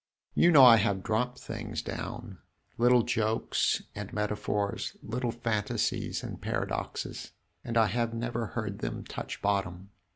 You know I have dropped things down little jokes and metaphors, little fantasies and paradoxes and I have never heard them touch bottom!"